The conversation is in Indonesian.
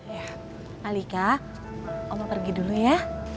ya alika om mau pergi dulu ya